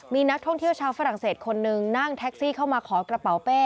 มีนักท่องเที่ยวชาวฝรั่งเศสคนนึงนั่งแท็กซี่เข้ามาขอกระเป๋าเป้